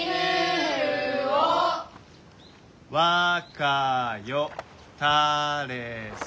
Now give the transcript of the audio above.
「わかよたれそ」。